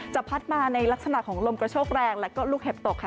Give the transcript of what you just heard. พัดมาในลักษณะของลมกระโชกแรงและก็ลูกเห็บตกค่ะ